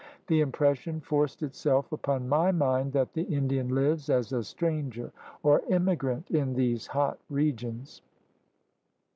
The impression forced itself upon my mind that the Indian lives as a stranger or immigrant in these hot regions."